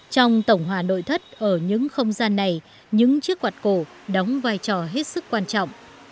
trong tổng hòa nội thất ở những không gian này những chiếc quạt cổ đóng vai trò hết sức quan trọng